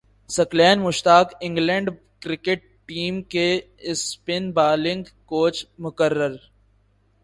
ثقلین Mushtaq England cricket team کے spin bowling coach مقرر